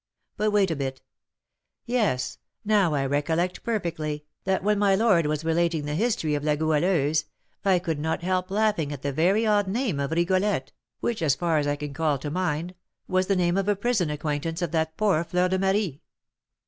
But wait a bit. Yes, now I recollect perfectly, that when my lord was relating the history of La Goualeuse, I could not help laughing at the very odd name of Rigolette, which, as far as I can call to mind, was the name of a prison acquaintance of that poor Fleur de Marie."